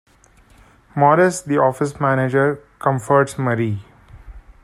Morris, the office manager, comforts Marie.